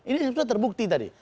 ini sudah terbukti tadi